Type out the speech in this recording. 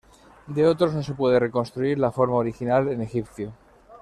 De otros no se puede reconstruir la forma original en egipcio.